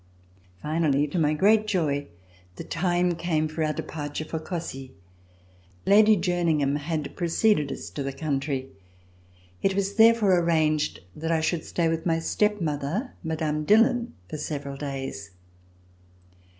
Finally to my great joy the time came for our de parture for Cossey. Lady Jerningham had preceded us to the country. It was therefore arranged that I should stay with my step mother, Mme. Dillon, for several days.